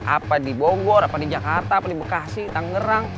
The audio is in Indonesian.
apa di bogor apa di jakarta apa di bekasi tangerang